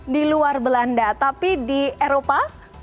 di luar belanda tapi di eropa